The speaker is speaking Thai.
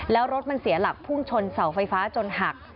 แล้วรถมันเสียหลักพุ่งชนเสาไฟฟ้าจนหัก